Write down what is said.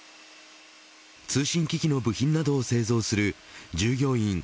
通信機器の部品などを製造する従業員